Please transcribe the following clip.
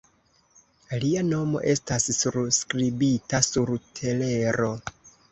Lia nomo estas surskribita sur telero.